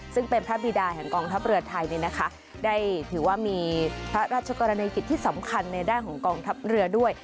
ซึ่งเป็นพระบิดาแห่งกองทัพเรือไทยได้ถือว่ามีพระราชกรณีกิจที่สำคัญในด้านของกองทัพเรือด้วย